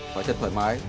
phải thật thoải mái